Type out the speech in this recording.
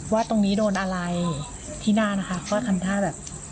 ว่าตรงนี้โดนอะไรที่หน้านะคะก็ทำท่าแบบ